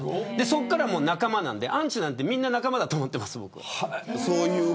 それからは仲間なんでアンチなんてみんな仲間だと思っています。